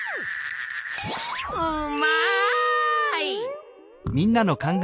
うまい！